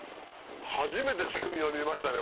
初めて仕組みを見ましたね